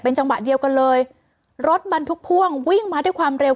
จังหวะเดียวกันเลยรถบรรทุกพ่วงวิ่งมาด้วยความเร็ว